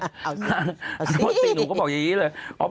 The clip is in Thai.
รัฐมนตรีหนูก็บอกอย่างนี้เลย